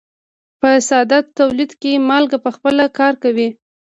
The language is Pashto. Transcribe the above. په ساده تولید کې مالک پخپله کار کوي.